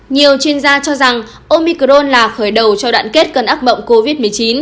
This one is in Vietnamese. nhiều chuyên gia cho rằng omicron là khởi đầu cho đoạn kết cân ác mộng covid một mươi chín